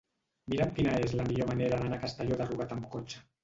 Mira'm quina és la millor manera d'anar a Castelló de Rugat amb cotxe.